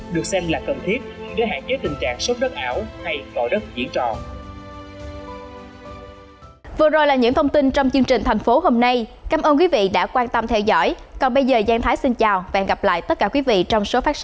được xem là cần thiết để hạn chế tình trạng sốt đất ảo hay gọi đất diễn trò